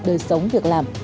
đời sống việc làm